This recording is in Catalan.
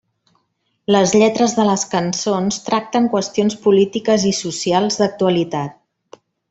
Les lletres de les cançons tracten qüestions polítiques i socials d'actualitat.